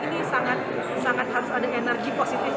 ini sangat harus ada energi positif